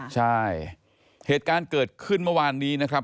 ใช่เหตุการณ์เกิดขึ้นเมื่อวานนี้นะครับ